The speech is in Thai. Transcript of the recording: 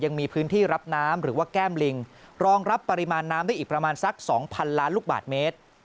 ยังมีพื้นที่รับน้ำหรือว่าแก้มลิงรองรับปริมาณน้ำได้อีกประมาณสักสองพันล้านลูกบาทเมตร